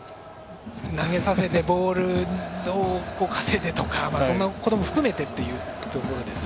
投げさせてボールをどう稼いでとかそんなことも含めてというところですね。